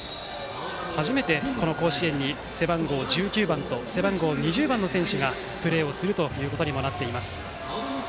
初めて、甲子園で背番号１９番と背番号２０番の選手がプレーするということにもなっています。